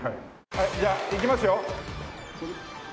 はいじゃあいきますよ。